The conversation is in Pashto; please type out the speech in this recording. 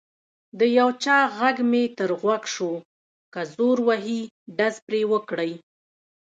د یو چا غږ مې تر غوږ شو: که زور وهي ډز پرې وکړئ.